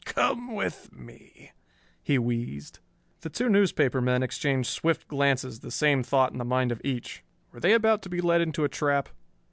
"Come with me," he wheezed. The two newspaper men exchanged swift glances, the same thought in the mind of each. Were they about to be led into a trap?